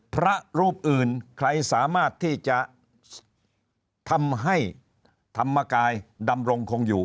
พระรูปอื่นใครสามารถที่จะทำให้ธรรมกายดำรงคงอยู่